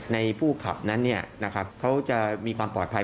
ในผู้ขับนั้นเนี่ยนะครับเขาจะมีความปลอดภัย